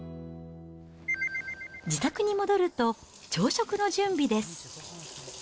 自宅に戻ると、朝食の準備です。